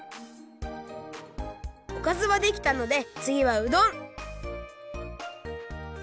おかずはできたのでつぎはうどん！